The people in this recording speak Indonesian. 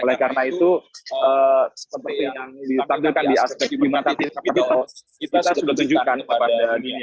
oleh karena itu seperti yang ditandilkan di aspek lima titik kapal kita sudah tunjukkan pada dini